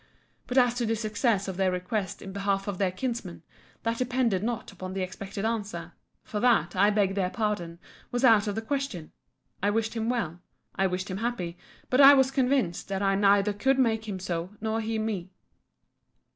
But as to the success of their request in behalf of their kinsman, that depended not upon the expected answer; for that, I begged their pardon, was out of the question. I wished him well. I wished him happy. But I was convinced, that I neither could make him so, nor he me.